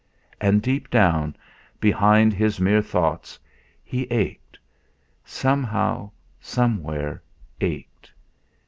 And, deep down, behind his mere thoughts, he ached somehow, somewhere ached.